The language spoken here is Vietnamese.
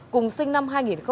cùng sinh năm hai nghìn chín